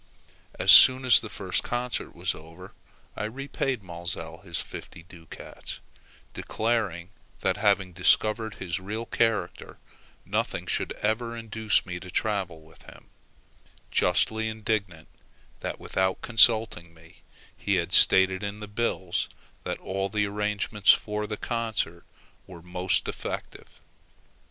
As soon as the first concert was over, I repaid Maelzel his fifty ducats, declaring that having discovered his real character, nothing should ever induce me to travel with him; justly indignant that, without consulting me, he had stated in the bills that all the arrangements for the concert were most defective.